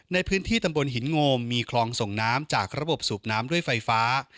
ในพื้นที่ตำบลหินโงมมีคลองส่งน้ำจากระบบสูบน้ำด้วยไฟฟ้า